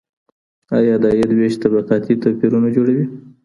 ایا د عاید وېش طبقاتي توپیرونه جوړوي؟